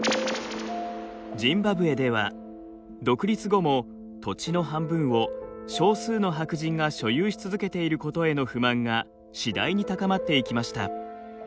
ジンバブエでは独立後も土地の半分を少数の白人が所有し続けていることへの不満が次第に高まっていきました。